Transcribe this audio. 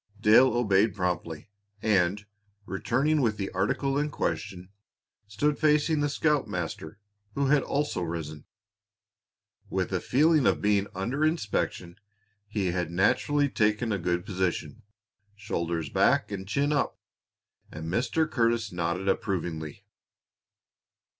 Dale obeyed promptly, and, returning with the article in question, stood facing the scoutmaster, who had also risen. With the feeling of being under inspection, he had naturally taken a good position, shoulders back and chin up, and Mr. Curtis nodded approvingly.